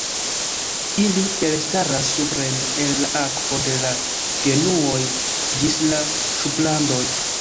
Ili elstaras supren el la akvo de la genuoj ĝis la ŝuplandoj.